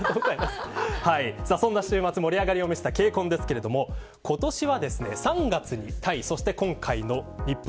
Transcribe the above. そんな週末、盛り上がりを見せたＫＣＯＮですけれども今年は３月にタイそして今回の日本。